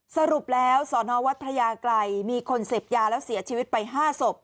สรุปแล้วสอนอวัดพระยากรัยมีคนเสพยาแล้วเสียชีวิตไป๕ศพ